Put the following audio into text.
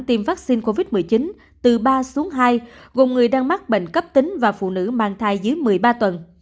tiêm vaccine covid một mươi chín từ ba xuống hai gồm người đang mắc bệnh cấp tính và phụ nữ mang thai dưới một mươi ba tuần